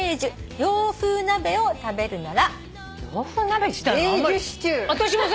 「洋風鍋を食べるなら」